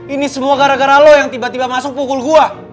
ini semua gara gara lo yang tiba tiba masuk pukul gua